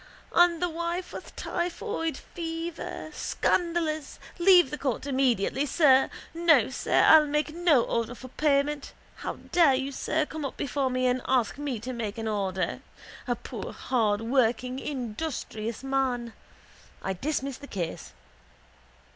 —And the wife with typhoid fever! Scandalous! Leave the court immediately, sir. No, sir, I'll make no order for payment. How dare you, sir, come up before me and ask me to make an order! A poor hardworking industrious man! I dismiss the case.